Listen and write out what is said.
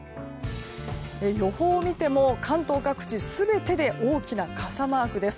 予報を見ても関東各地全てで大きな傘マークです。